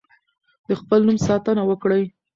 د خپل نوم ساتنه وکړئ.